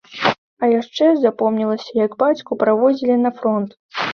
А яшчэ запомнілася, як бацьку праводзілі на фронт.